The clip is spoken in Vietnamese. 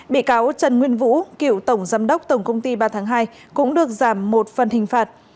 bị cáo trần nguyên vũ cựu tổng giám đốc tổng công ty ba tháng hai cũng được giảm một phần hình phạt